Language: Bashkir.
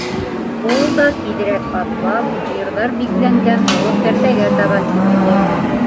Ул да, тиҙерәк атлап, һыйырҙар бикләнгән оло кәртәгә табан китте.